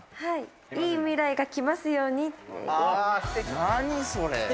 良い未来が来ますようにって。